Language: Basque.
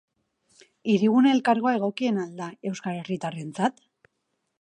Hirigune Elkargoa egokiena al da euskal herritarrentzat?